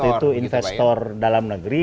waktu itu investor dalam negeri